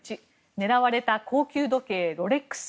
狙われた高級時計ロレックス。